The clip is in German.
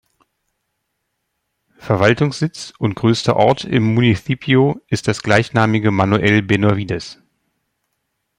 Verwaltungssitz und größter Ort im Municipio ist das gleichnamige Manuel Benavides.